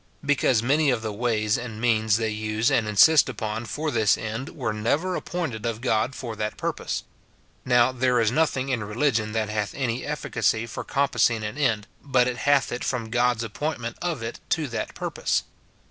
Because many of the ways and means they use and insist upon for this end were never appointed of God for that purpose. (Now, there is nothing in religion that hath any efficacy for compassing an end, but it hath it from God's appointment of it to that purpose.)